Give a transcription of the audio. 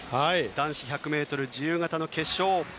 男子１００ｍ自由形の決勝。